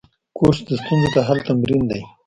کورس د ستونزو د حل تمرین دی.